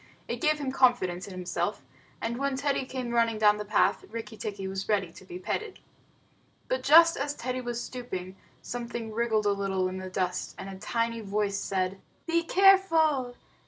It gave him confidence in himself, and when Teddy came running down the path, Rikki tikki was ready to be petted. But just as Teddy was stooping, something wriggled a little in the dust, and a tiny voice said: "Be careful.